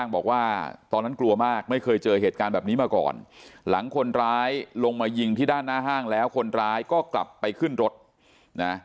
บอกว่าตอนนั้นกลัวมากไม่เคยเจอเหตุการณ์แบบนี้มาก่อนหลังคนร้ายลงมายิงที่ด้านหน้าห้างแล้วคนร้ายก็กลับไปขึ้นรถนะ